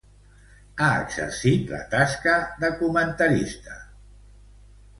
Ha exercit la tasca de comentarista per a Televisión Española.